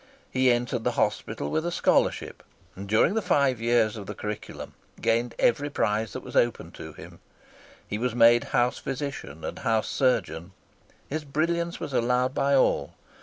He entered the hospital with a scholarship, and during the five years of the curriculum gained every prize that was open to him. He was made house physician and house surgeon. His brilliance was allowed by all.